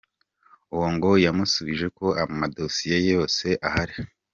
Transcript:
Uwo ngo yamusubije ko amadosiye yose ahari.